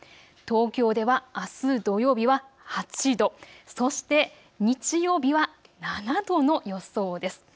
東京ではあす土曜日は８度、そして日曜日は７度の予想です。